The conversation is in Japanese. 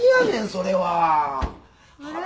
それは。